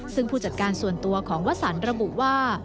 ซึ่งผู้จัดการส่วนตัวของวสันระบุว่า